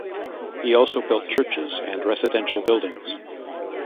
He also built churches and residential buildings.